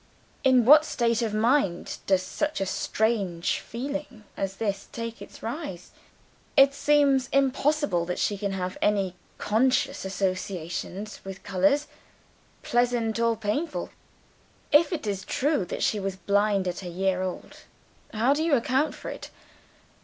In what state of mind does such a strange feeling as this take its rise? It seems impossible that she can have any conscious associations with colors, pleasant or painful if it is true that she was blind at a year old. How do you account for it?